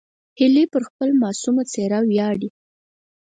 هیلۍ پر خپل معصوم څېره ویاړي